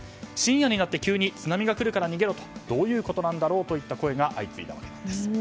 深夜になって急に津波が来るから逃げろとどういうことなんだろうといった声が相次いだわけです。